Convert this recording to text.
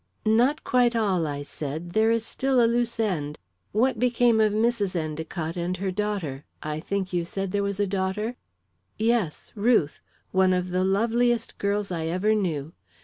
"Not quite all," I said. "There is still a loose end. What became of Mrs. Endicott and her daughter I think you said there was a daughter?" "Yes Ruth. One of the loveliest girls I ever knew.